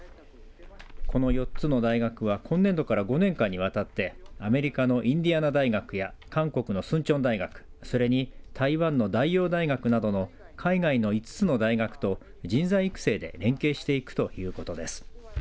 この４つの大学は今年度から５年間にわたってアメリカのインディアナ大学や韓国のスンチョン大学それに台湾の大葉大学などの海外の５つの大学と人材育成で連携していくということです。